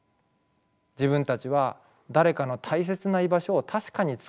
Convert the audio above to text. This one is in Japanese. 自分たちは誰かの大切な居場所を確かにつくれていると。